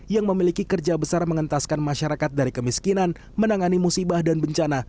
yang memiliki kerja besar mengentaskan masyarakat dari kemiskinan menangani musibah dan bencana